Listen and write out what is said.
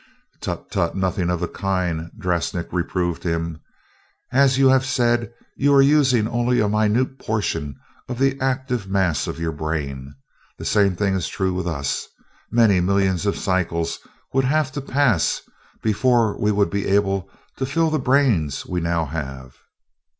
"Tut tut nothing of the kind," Drasnik reproved him. "As you have said, you are using only a minute portion of the active mass of your brain. The same thing is true with us many millions of cycles would have to pass before we would be able to fill the brains we now have."